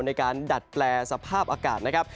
ในการดัดแปลสภาพอากาศนะครับ